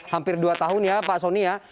hampir dua tahun ya pak soni ya